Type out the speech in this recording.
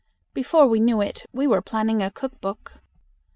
Before we knew it we were planning a cook book.